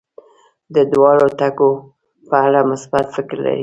د دواړو ټکو په اړه مثبت فکر لري.